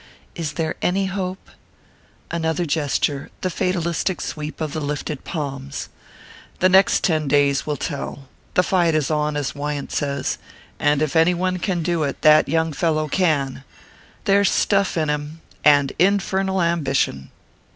"Is there any hope?" Another gesture the fatalistic sweep of the lifted palms. "The next ten days will tell the fight is on, as Wyant says. And if any one can do it, that young fellow can. There's stuff in him and infernal ambition."